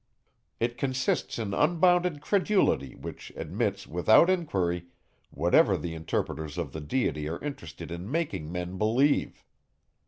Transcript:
It consists in unbounded credulity, which admits, without enquiry, whatever the interpreters of the Deity are interested in making men believe.